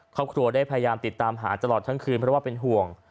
ครอบครัวได้พยายามติดตามหาตลอดทั้งคืนเพราะว่าเป็นห่วง